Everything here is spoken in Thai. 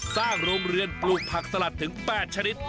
โรงเรือนปลูกผักสลัดถึง๘ชนิด